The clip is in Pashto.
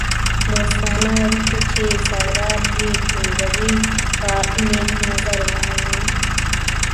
دوستانه اړیکې چې سردار یې ټینګوي په نېک نظر ومني.